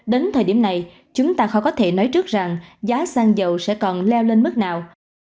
đến thời điểm này chúng ta khó có thể nói trước rằng giá xăng dầu sẽ còn leo lên mức nào